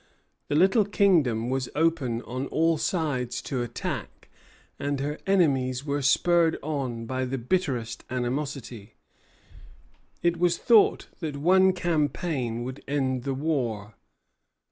The little kingdom was open on all sides to attack, and her enemies were spurred on by the bitterest animosity. It was thought that one campaign would end the war.